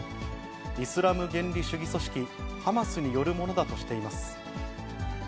イスラム原理主義組織ハマスによるものだとしています。